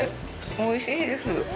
おいしいです。